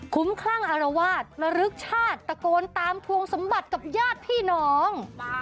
คุ้มคลั่งอารวาสมรึกชาติตะโกนตามทวงสมบัติกับญาติพี่น้อง